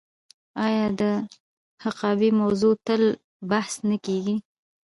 آیا د حقابې موضوع تل بحث نه کیږي؟